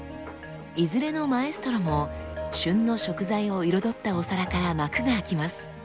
いずれのマエストロも旬の食材を彩ったお皿から幕が開きます。